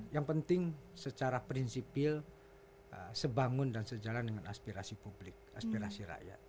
yang penting secara prinsipil sebangun dan sejalan dengan aspirasi publik aspirasi rakyat